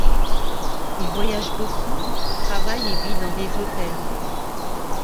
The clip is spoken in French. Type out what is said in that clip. Il voyage beaucoup, travaille et vit dans des hôtels.